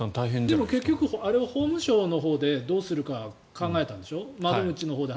あれはでも法務省のほうでどうするか考えたんでしょ。